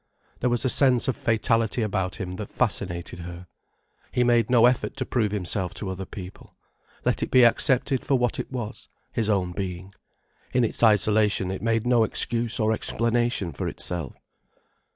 There was a sense of fatality about him that fascinated her. He made no effort to prove himself to other people. Let it be accepted for what it was, his own being. In its isolation it made no excuse or explanation for itself.